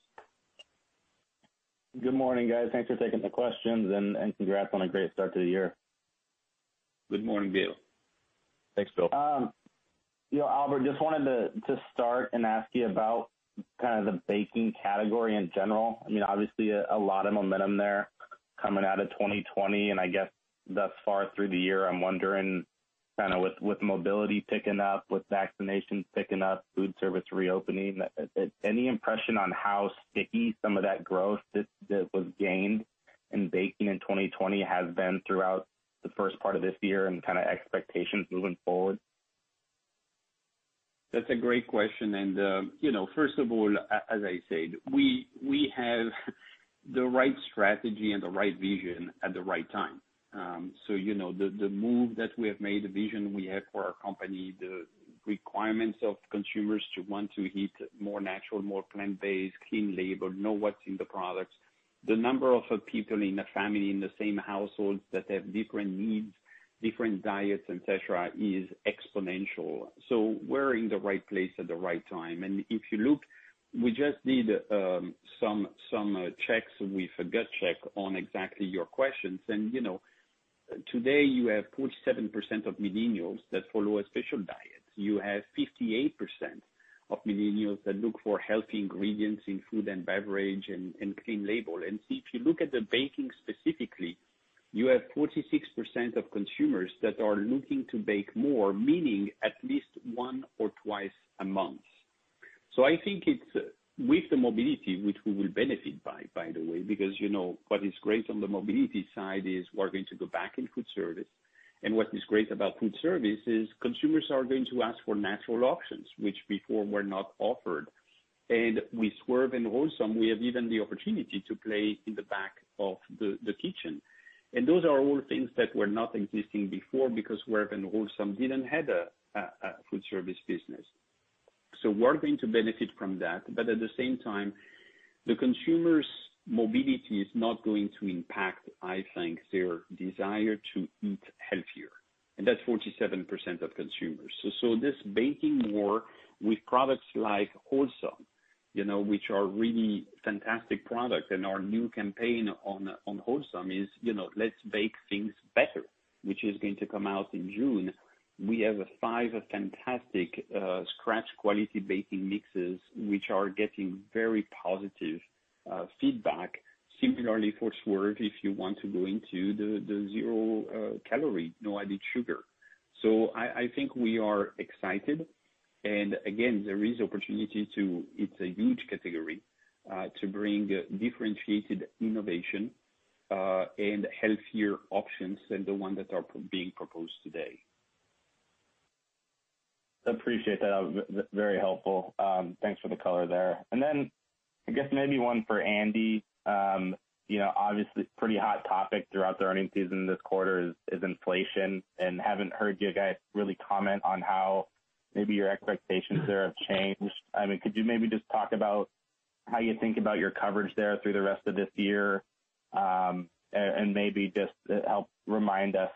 Speaker 9: Good morning, guys. Thanks for taking the questions and congrats on a great start to the year.
Speaker 3: Good morning, Bill.
Speaker 4: Thanks, Bill.
Speaker 9: Albert, just wanted to start and ask you about kind of the baking category in general. Obviously, a lot of momentum there coming out of 2020, and I guess thus far through the year, I'm wondering with mobility picking up, with vaccinations picking up, food service reopening, any impression on how sticky some of that growth that was gained in baking in 2020 has been throughout the first part of this year and kind of expectations moving forward?
Speaker 3: That's a great question. First of all, as I said, we have the right strategy and the right vision at the right time. The move that we have made, the vision we have for our company, the requirements of consumers to want to eat more natural, more plant-based, clean label, know what's in the products. The number of people in a family in the same household that have different needs, different diets, etc., is exponential. We're in the right place at the right time. If you look, we just did some checks with a gut check on exactly your questions. Today you have 47% of millennials that follow a special diet. You have 58% of millennials that look for healthy ingredients in food and beverage and clean label. If you look at the baking specifically, you have 46% of consumers that are looking to bake more, meaning at least once or twice a month. I think it's with the mobility, which we will benefit by the way, because what is great on the mobility side is we're going to go back in food service. What is great about food service is consumers are going to ask for natural options, which before were not offered. With Swerve and Wholesome, we have even the opportunity to play in the back of the kitchen. Those are all things that were not existing before because Swerve and Wholesome didn't have a food service business. We're going to benefit from that. At the same time, the consumer's mobility is not going to impact, I think, their desire to eat healthier. That's 47% of consumers. this baking war with products like Wholesome, which are really fantastic product and our new campaign on Wholesome is, Let's Bake Things Better, which is going to come out in June. We have five fantastic scratch quality baking mixes, which are getting very positive feedback. Similarly for Swerve, if you want to go into the zero calories, no added sugar. I think we are excited. again, there is opportunity to, it's a huge category, to bring differentiated innovation, and healthier options than the ones that are being proposed today.
Speaker 9: Appreciate that. Very helpful. Thanks for the color there. I guess maybe one for Andy Rusie. Obviously pretty hot topic throughout the earnings season this quarter is inflation and haven't heard you guys really comment on how maybe your expectations there have changed. Could you maybe just talk about how you think about your coverage there through the rest of this year? Maybe just help remind us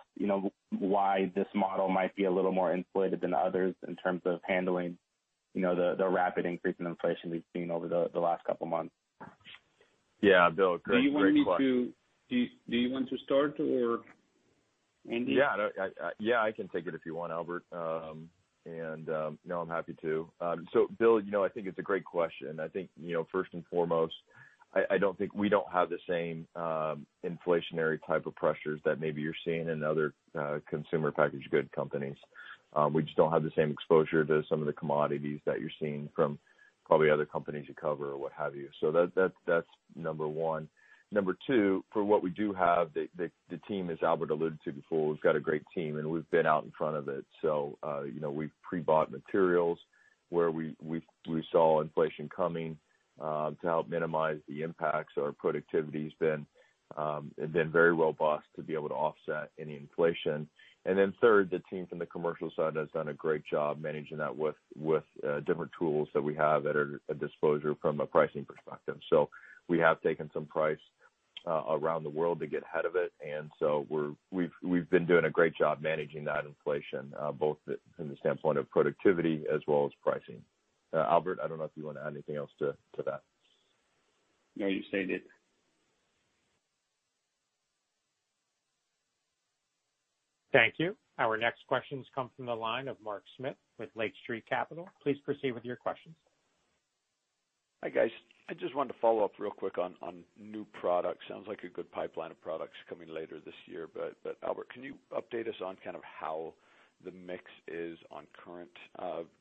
Speaker 9: why this model might be a little more inflated than others in terms of handling the rapid increase in inflation we've seen over the last couple of months.
Speaker 4: Yeah, Bill, great question.
Speaker 3: Do you want me to start or Andy?
Speaker 4: Yeah, I can take it if you want, Albert. I'm happy to. Bill, I think it's a great question. I think, first and foremost, I don't think we don't have the same inflationary type of pressures that maybe you're seeing in other consumer packaged good companies. We just don't have the same exposure to some of the commodities that you're seeing from probably other companies you cover or what have you. That's number one. Number two, for what we do have, the team, as Albert alluded to before, we've got a great team, and we've been out in front of it. We've pre-bought materials where we saw inflation coming, to help minimize the impacts. Our productivity has been very robust to be able to offset any inflation. Third, the team from the commercial side has done a great job managing that with different tools that we have at our disposal from a pricing perspective. We have taken some price around the world to get ahead of it. We've been doing a great job managing that inflation, both from the standpoint of productivity as well as pricing. Albert, I don't know if you want to add anything else to that.
Speaker 3: No, you said it.
Speaker 1: Thank you. Our next questions come from the line of Mark Smith with Lake Street Capital. Please proceed with your questions.
Speaker 10: Hi, guys. I just wanted to follow up real quick on new products. Sounds like a good pipeline of products coming later this year, but Albert, can you update us on kind of how the mix is on current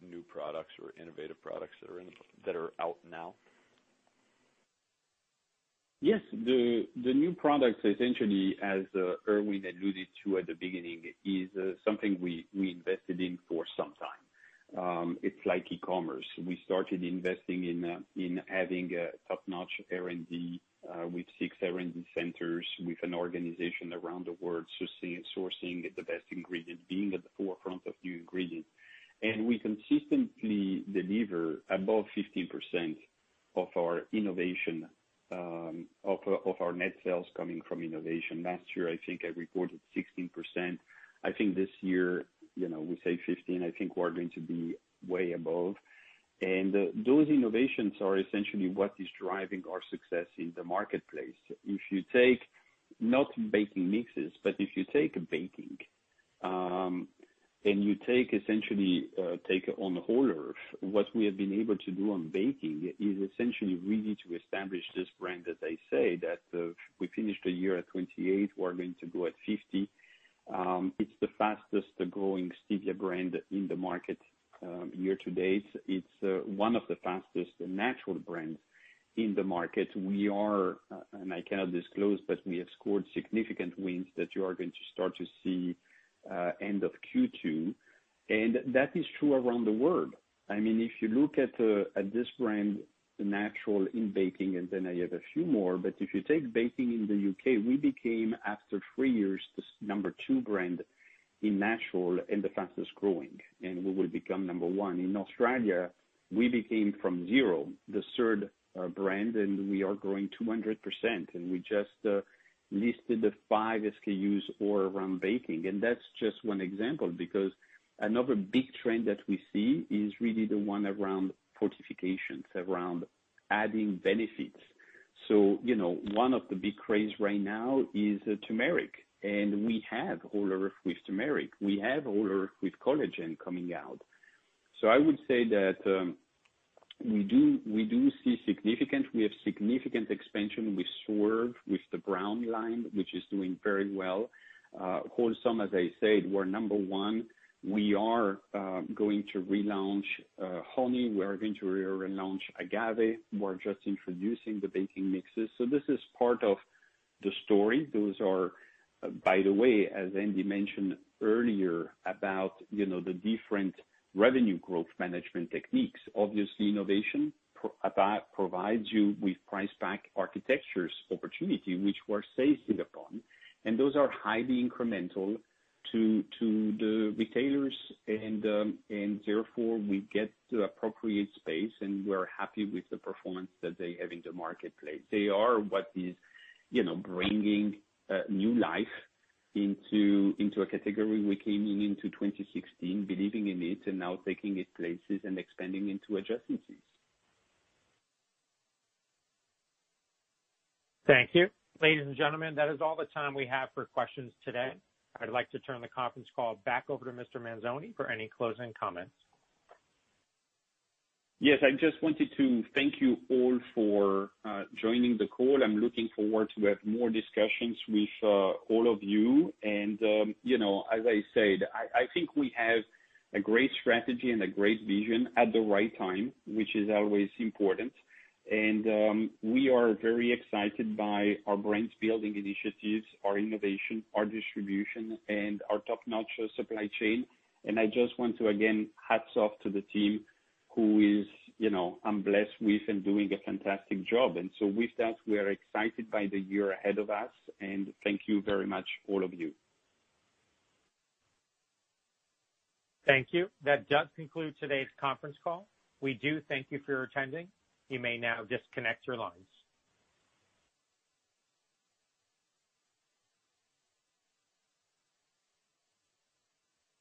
Speaker 10: new products or innovative products that are out now?
Speaker 3: Yes. The new products, essentially, as Irwin alluded to at the beginning, is something we invested in for some time. It's like e-commerce. We started investing in having a top-notch R&D with six R&D centers, with an organization around the world sourcing the best ingredients, being at the forefront of new ingredients. We consistently deliver above 15% of our net sales coming from innovation. Last year, I think I recorded 16%. I think this year, we say 15%. I think we're going to be way above. Those innovations are essentially what is driving our success in the marketplace. If you take not baking mixes, but if you take baking, and you take essentially take on Whole Earth, what we have been able to do on baking is essentially really to establish this brand, as I say, that we finished the year at 28. We're going to go at 50. It's the fastest-growing stevia brand in the market year to date. It's one of the fastest natural brands in the market. We are, and I cannot disclose, but we have scored significant wins that you are going to start to see end of Q2, and that is true around the world. If you look at this brand, the natural in baking, and then I have a few more, but if you take baking in the U.K., we became, after three years, the number two brand in natural and the fastest-growing, and we will become number one. In Australia, we became, from zero, the third brand, and we are growing 200%, and we just listed the five SKUs all around baking. That's just one example, because another big trend that we see is really the one around fortifications, around adding benefits. One of the big craze right now is turmeric, and we have Whole Earth with turmeric. We have Whole Earth with collagen coming out. I would say that we do see significant expansion with Swerve, with the Swerve Brown, which is doing very well. Wholesome, as I said, we're number one. We are going to relaunch honey. We are going to relaunch agave. We're just introducing the baking mixes. This is part of the story. Those are, by the way, as Andy mentioned earlier about the different revenue growth management techniques. Obviously, innovation provides you with price-pack architecture opportunity, which we're seizing upon, and those are highly incremental to the retailers, and therefore we get the appropriate space, and we're happy with the performance that they have in the marketplace. They are what is bringing new life into a category. We came into 2016 believing in it, and now taking it places and expanding into adjacencies.
Speaker 1: Thank you. Ladies and gentlemen, that is all the time we have for questions today. I'd like to turn the conference call back over to Mr. Manzone for any closing comments.
Speaker 3: Yes, I just wanted to thank you all for joining the call. I'm looking forward to have more discussions with all of you. As I said, I think we have a great strategy and a great vision at the right time, which is always important. We are very excited by our brand-building initiatives, our innovation, our distribution, and our top-notch supply chain. I just want to, again, hats off to the team who is I'm blessed with and doing a fantastic job. With that, we are excited by the year ahead of us, and thank you very much, all of you.
Speaker 1: Thank you. That does conclude today's conference call. We do thank you for your attending. You may now disconnect your lines.